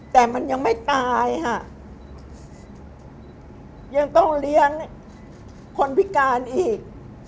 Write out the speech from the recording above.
แต่มันยังไม่ตายค่ะยังต้องเลี้ยงคนพิการอีก